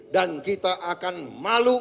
dan kita akan malu